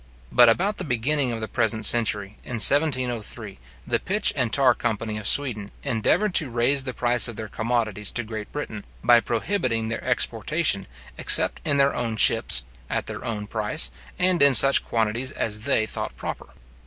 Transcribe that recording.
But about the beginning of the present century, in 1703, the pitch and tar company of Sweden endeavoured to raise the price of their commodities to Great Britain, by prohibiting their exportation, except in their own ships, at their own price, and in such quantities as they thought proper.